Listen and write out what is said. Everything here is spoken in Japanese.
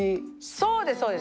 そうですそうです。